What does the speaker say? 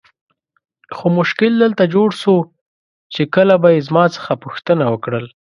خو مشکل دلته جوړ سو چې کله به یې زما څخه پوښتنه وکړل.